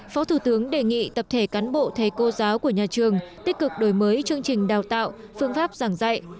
phó thủ tướng đề nghị tập thể cán bộ thầy cô giáo của nhà trường tích cực đổi mới chương trình đào tạo phương pháp giảng dạy